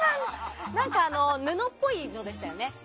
何か、布っぽいのでしたよね。